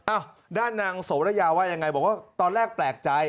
อ้าวด้านนางโสระยาว่ายังไงบอกว่าตอนแรกแปลกใจ